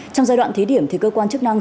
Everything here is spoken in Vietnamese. trong giai đoạn thí điểm thì cơ quan chức năng